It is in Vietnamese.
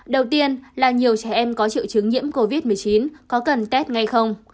đầu tiên là nhiều trẻ em có triệu chứng nhiễm covid một mươi chín có cần tết ngay không